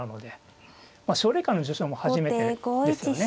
奨励会の受賞も初めてですよね。